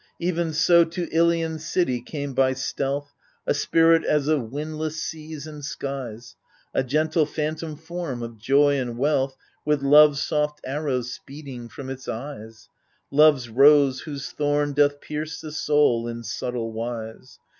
Even so to I lion's city came by stealth A spirit as of windless seas and skies, A gentle phantom form of joy and wealth; With love's soft arrows speeding from its eyes — Love's rose, whose thorn doth pierce the soul in subtle wise.